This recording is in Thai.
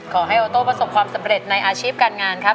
โอโต้ประสบความสำเร็จในอาชีพการงานครับ